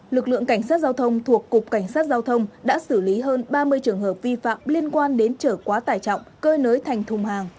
lực lượng cảnh sát giao thông thuộc cục cảnh sát giao thông đã xử lý hơn ba mươi trường hợp vi phạm liên quan đến trở quá tải trọng cơi nới thành thùng hàng